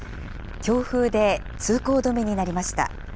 強風で通行止めになりました。